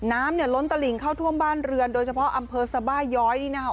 น้ำเนี่ยล้นตลิงเข้าท่วมบ้านเรือนโดยเฉพาะอำเภอสบาย้อยนี่นะคะ